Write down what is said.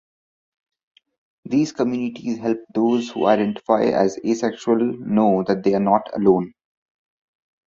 These communities help those who identify as asexual know that they are not alone.